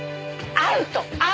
アウト！